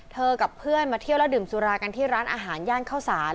กับเพื่อนมาเที่ยวและดื่มสุรากันที่ร้านอาหารย่านเข้าสาร